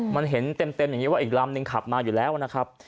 มันเห็นเต็มอย่างนี้ว่าอีกลำนึงขับมาอยู่แล้วนะครับ